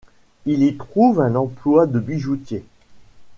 Il y trouve un emploi de bijoutier.